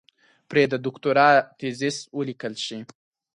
پرې د دوکتورا تېزس وليکل شي.